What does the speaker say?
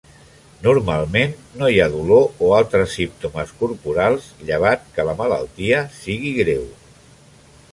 Normalment no hi ha dolor o altres símptomes corporals, llevat que la malaltia sigui greu.